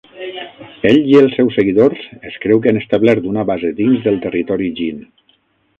Ell i els seus seguidors es creu que han establert una base dins del territori Jin.